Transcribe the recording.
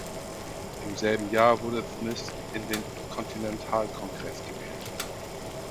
Im selben Jahr wurde Smith in den Kontinentalkongress gewählt.